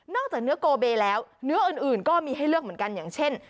จากเนื้อโกเบแล้วเนื้ออื่นก็มีให้เลือกเหมือนกันอย่างเช่น